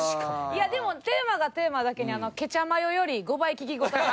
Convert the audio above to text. いやでもテーマがテーマだけにケチャマヨより５倍聞き応えが。